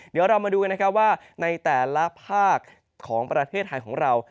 เดี๋ยวเรามาดูกันนะครับว่าในแต่ละภาคของประเทศไทยของเรา